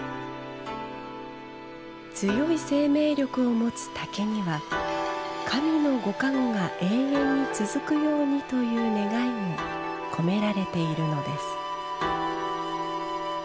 強い生命力を持つ竹には神のご加護が永遠に続くようにという願いも込められているのです。